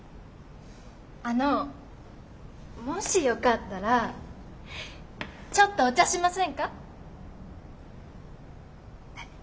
あのもしよかったらちょっとお茶しませんか？